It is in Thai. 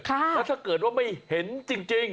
แล้วถ้าเกิดว่าไม่เห็นจริง